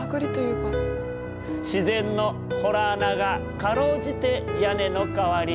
自然の洞穴が辛うじて屋根の代わり。